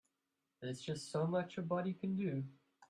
There's just so much a body can do.